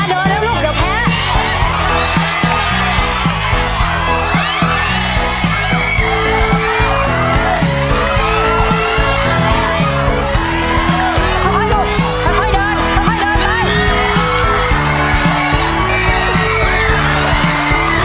สะพ้อยดูสะพ้อยเดินสะพ้อยเดินไป